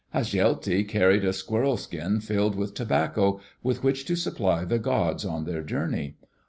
Hasjelti carried a squirrel skin filled with tobacco, with which to supply the gods on their journey.